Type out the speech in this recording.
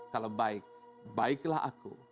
kalau baik baiklah aku